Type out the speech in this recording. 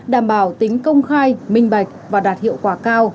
đảm bảo tính công khai minh bạch và đạt hiệu quả cao